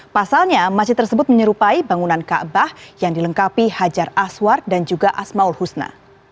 pasalnya masjid tersebut menyerupai bangunan kaabah yang dilengkapi hajar aswar dan juga ⁇ asmaul husna